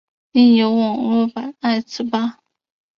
另有网络版爱词霸。